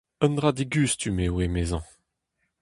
Un dra digustum eo emezañ.